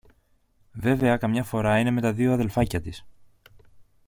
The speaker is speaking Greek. Βέβαια καμιά φορά είναι με τα δυο αδελφάκια της